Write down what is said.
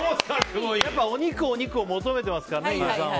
やっぱりお肉、お肉を求めてますからね、飯尾さんは。